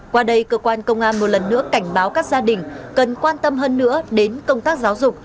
qua đây cơ quan công an một lần nữa cảnh báo các gia đình cần quan tâm hơn nữa đến công tác giáo dục